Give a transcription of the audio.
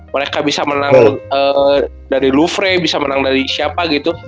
mereka bisa menang dari lufrey bisa menang dari siapa gitu